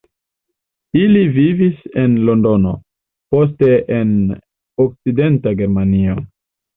Ili vivis en Londono, poste en Okcidenta Germanio.